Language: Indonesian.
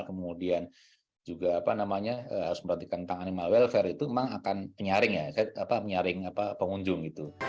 kemudian juga harus memperhatikan tangan animal welfare itu memang akan menyaring pengunjung